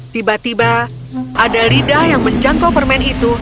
tiba tiba ada lidah yang menjangkau permen itu